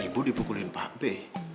ibu dipukulin pake